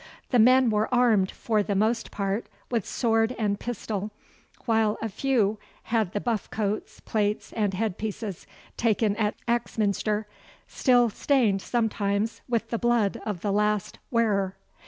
The men were armed for the most part with sword and pistol, while a few had the buff coats, plates, and headpieces taken at Axminster, still stained sometimes with the blood of the last wearer.